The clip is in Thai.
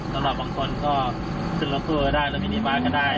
สำหรับบางคนก็ขึ้นรถตู้ก็ได้รถมินิบาสก็ได้